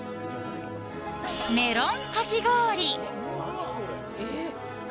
メロンかき氷。